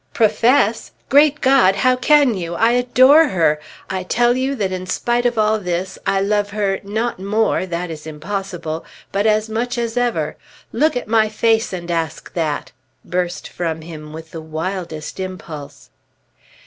"Profess? Great God! how can you? I adore her! I tell you that, in spite of all this, I love her not more that is impossible, but as much as ever! Look at my face and ask that!" burst from him with the wildest impulse.